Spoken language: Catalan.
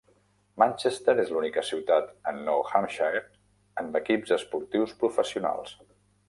Manchester és l'única ciutat a Nou Hampshire amb equips esportius professionals.